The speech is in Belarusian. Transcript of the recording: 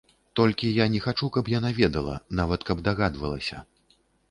Толькі я не хачу, каб яна ведала, нават каб дагадвалася.